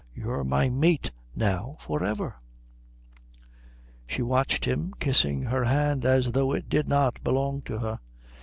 You're my mate now for ever." She watched him kissing her hand as though it did not belong to her.